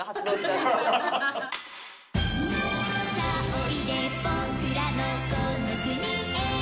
「さあおいで僕らのこの国へ」